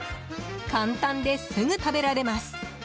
簡単で、すぐ食べられます。